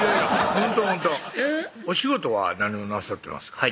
ほんとほんとお仕事は何をなさってますか？